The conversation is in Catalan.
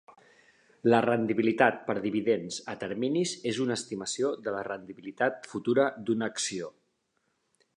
La rendibilitat per dividends a terminis és una estimació de la rendibilitat futura d'una acció.